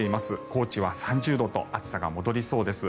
高知は３０度と暑さが戻りそうです。